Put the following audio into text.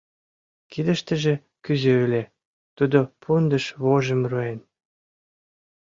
Кидыштыже кӱзӧ ыле: тудо пундыш вожым руэн.